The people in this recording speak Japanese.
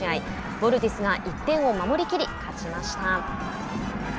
ヴォルティスが１点を守りきり勝ちました。